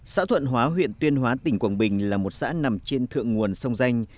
xã thuận hóa huyện tuyên hóa tỉnh quảng bình là một xã nằm trên thượng nguồn sông danh